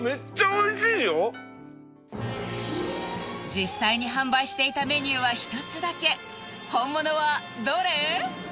実際に販売していたメニューは１つだけ本物はどれ？